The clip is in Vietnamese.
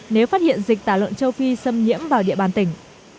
nếu phát hiện dịch tả lợn châu phi xâm nhiễm vào địa bàn tỉnh